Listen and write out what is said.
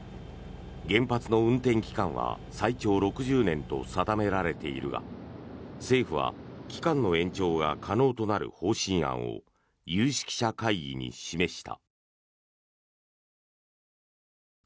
原発の運転期間は最長６０年と定められているが政府は期間の延長が可能となる方針案を有識者会議に示した。